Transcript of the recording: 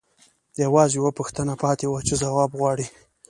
یوازې یوه پوښتنه پاتې وه چې ځواب غواړي